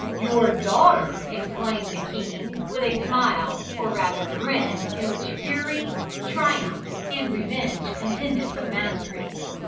"Your daughter?" exclaimed the king, with a smile or rather grin in which fury, triumph and revenge contended for the mastery.